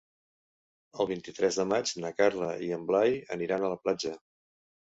El vint-i-tres de maig na Carla i en Blai aniran a la platja.